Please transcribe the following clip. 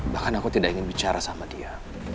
bahkan aku tidak ingin bicara sama dia